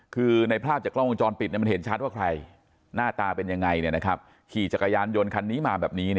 คือในภาพจากกล้องวงจรปิดมันเห็นชัดว่าใครหน้าตาเป็นยังไงขี่จักรยานยนต์คันนี้มาแบบนี้